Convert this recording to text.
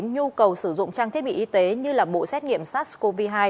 nhu cầu sử dụng trang thiết bị y tế như bộ xét nghiệm sars cov hai